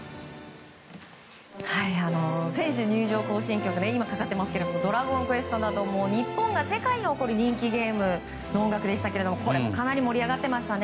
選手入場行進曲「ドラゴンクエスト」など日本が世界に誇る人気ゲームの音楽でしたけどこれもかなり盛り上がっていましたね。